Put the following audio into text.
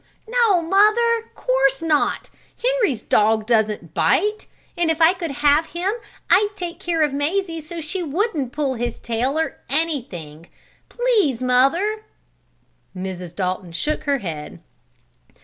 "No, mother! Course not! Henry's dog doesn't bite. And if I could have him I'd take care of Mazie so she wouldn't pull his tail, or anything! Please, mother!" Mrs. Dalton shook her head.